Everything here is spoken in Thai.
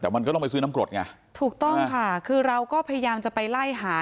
แต่มันก็ต้องไปซื้อน้ำกรดไงถูกต้องค่ะคือเราก็พยายามจะไปไล่หา